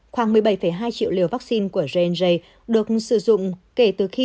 khoảng một mươi bảy hai triệu liều vaccine của j j được sử dụng kể từ khi